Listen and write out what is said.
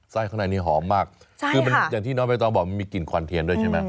ข้างในนี้หอมมากคือมันอย่างที่น้องใบตองบอกมีกลิ่นควันเทียนด้วยใช่ไหม